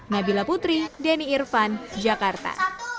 nabila putri denny irvan jakarta